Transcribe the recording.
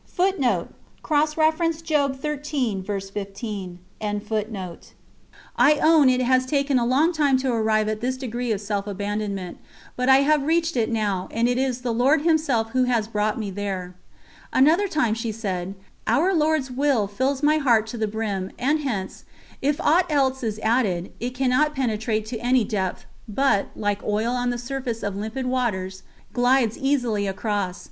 ' I own it has taken a long time to arrive at this degree of self abandonment; but I have reached it now, and it is the Lord Himself Who has brought me there." Another time she said: "Our Lord's Will fills my heart to the brim, and hence, if aught else is added, it cannot penetrate to any depth, but, like oil on the surface of limpid waters, glides easily across.